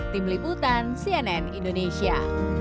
tim liputan cnn indonesia